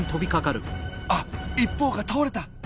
あ一方が倒れた。